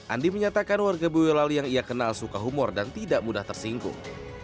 andi menyatakan warga boyolali yang ia kenal suka humor dan tidak mudah tersinggung